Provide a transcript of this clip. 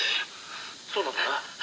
そうなんだな？」